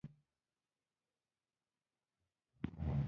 له هغه وروسته موټر جوړونې صنعت تکاملي بهیر دوام وکړ.